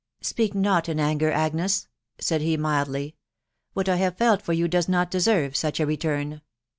" Speak not in anger, Agnes !".... said he mildly. "' What I have felt for you does not deserve such a return."